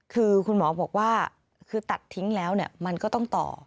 คือคุณหมอบอกว่าคือตัดทิ้งแล้วมันก็ต้องต่อ